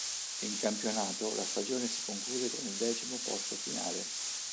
In campionato la stagione si conclude con il decimo posto finale.